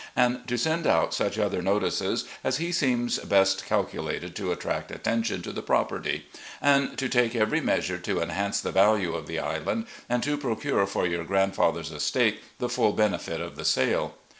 and to send out such other notices as he deems best calculated to attract attention to the property, and to take every measure to enhance the value of the island and to procure for your grandfather's estate the full benefit of the sale.